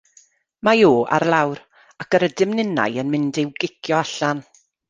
Mae o ar lawr, ac yr ydym ninnau yn mynd i'w gicio allan.